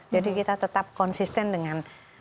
jadi kita tetap konsisten dengan itu